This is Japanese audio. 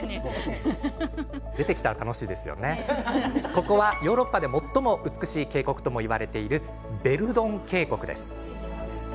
ここはヨーロッパで最も美しい渓谷ともいわれるヴェルドン渓谷。